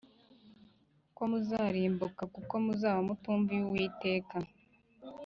ko muzarimbuka kuko muzaba mutumviye Uwiteka